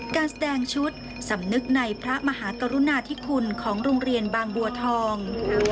การแสดงชุดสำนึกในพระมหากรุณาธิคุณของโรงเรียนบางบัวทอง